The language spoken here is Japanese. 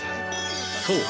そう！